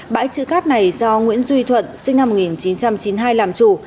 bãi chữ cát này do nguyễn duy thuận sinh năm một nghìn chín trăm chín mươi hai làm chủ